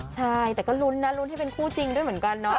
ใช่แต่ก็ลุ้นนะลุ้นให้เป็นคู่จริงด้วยเหมือนกันเนาะ